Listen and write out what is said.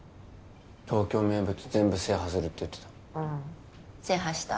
東京名物全部制覇するって言ってたうん制覇した？